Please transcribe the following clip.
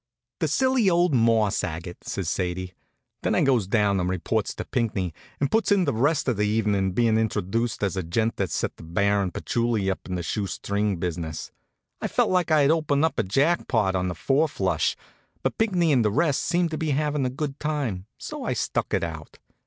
"The silly old moss agate!" says Sadie. Then I goes down and reports to Pinckney, and puts in the rest of the evenin' bein' introduced as the gent that set the Baron Patchouli up in the shoe string business. I felt like I'd opened up a jack pot on a four flush, but Pinckney and the rest seemed to be having a good time, so I stuck it out.